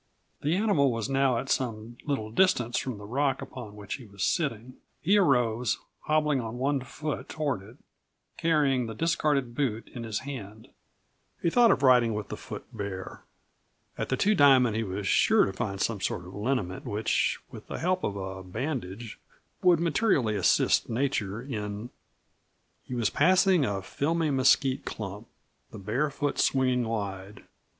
The animal was now at some little distance from the rock upon which he was sitting. He arose, hobbling on one foot toward it, carrying the discarded boot in his hand. He thought of riding with the foot bare. At the Two Diamond he was sure to find some sort of liniment which, with the help of a bandage, would materially assist nature in He was passing a filmy mesquite clump the bare foot swinging wide.